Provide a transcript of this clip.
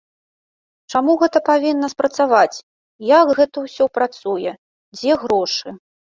Чаму гэта павінна спрацаваць, як гэта ўсё працуе, дзе грошы?